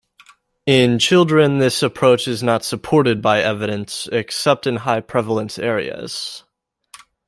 In children, this approach is not supported by evidence, except in high prevalence areas.